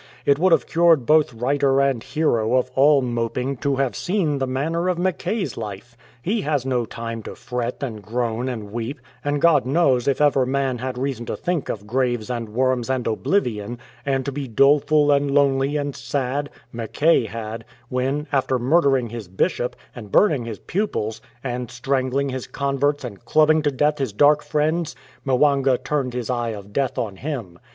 It would have cured both writer and hero of all moping to have seen the manner of Mackay's life. He has no time to fret and groan and weep ; and God knows, if ever man had reason to think of ' graves and worms and oblivion," and to be doleful and lonely and sad, Mackay had, when, after murdering his Bishop, and burning his pupils, and strangling his con verts, and clubbing to death his dark friends, Mwanga turned his eye of death on him.